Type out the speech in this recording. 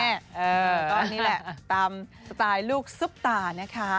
ก็นี่แหละตามสไตล์ลูกซุปตานะคะ